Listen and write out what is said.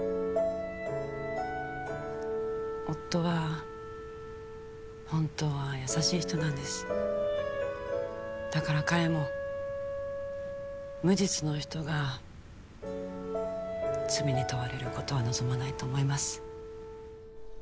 夫は本当は優しい人なんですだから彼も無実の人が罪に問われることは望まないと思います